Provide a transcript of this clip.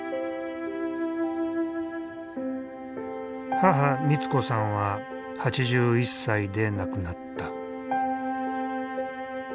母光子さんは８１歳で亡くなった。